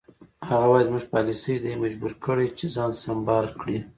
هغه وایي زموږ پالیسي دی مجبور کړی چې ځان سمبال کړي.